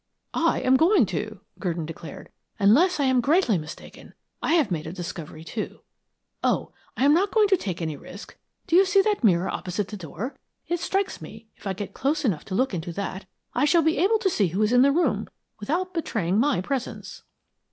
"I am going to," Gurdon declared. "Unless I am greatly mistaken, I have made a discovery, too. Oh, I am not going to take any risk. Do you see that mirror opposite the door? It strikes me if I get close enough to look into it that I shall be able to see who is in the room without betraying my presence."